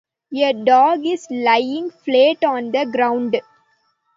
A dog is lying flat on the ground